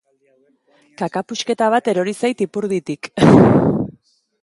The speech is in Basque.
Kaka puxketa bat erori zait ipurditik.